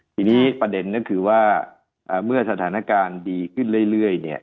ทีนี้ประเด็นก็คือว่าเมื่อสถานการณ์ดีขึ้นเรื่อยเนี่ย